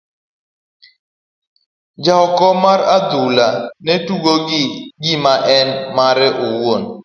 Jaokom mar adhula ne tayo gino ka gima en mare owuon.